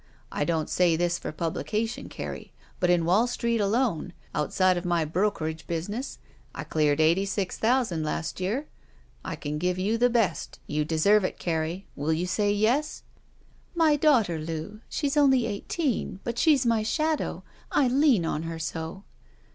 I don't say this for publication, Carrie, but in Wall Street alone, outside of my brokerage business, I cleared eighty six thousand last year. I can give you the best. You deserve it, Carrie. Will you say yes?" "My daughter. Loo. She's only eighteen, but she's my shadow — I lean on her so."